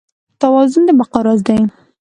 توازن د بقا راز دی.